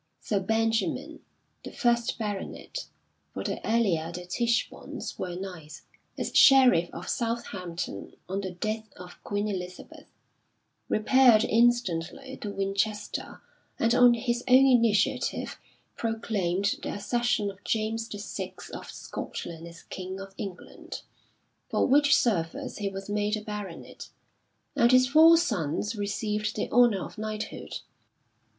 Sir Benjamin, the first baronet for the earlier de Tichbornes were knights, as Sheriff of Southhampton, on the death of Queen Elizabeth, repaired instantly to Winchester and on his own initiative proclaimed the accession of James VI of Scotland as King of England, for which service he was made a baronet, and his four sons received the honour of knighthood.